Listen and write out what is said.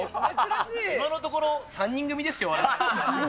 今のところ３人組ですよ。